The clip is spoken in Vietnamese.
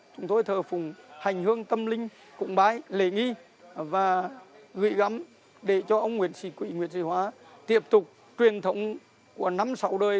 chúng tôi thờ phụng hành hương tâm linh cũng bái lễ nghi và gửi gắm để cho ông nguyễn sĩ quỹ nguyễn sĩ hóa tiếp tục truyền thống của năm sáu đời